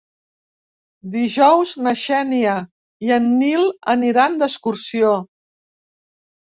Dijous na Xènia i en Nil aniran d'excursió.